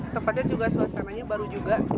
tempatnya juga suasananya baru juga